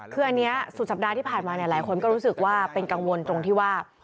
คืออันนี้สุดสัปดาห์ที่ผ่านมาเนี่ยหลายคนก็รู้สึกว่าเป็นกังวลตรงที่ว่า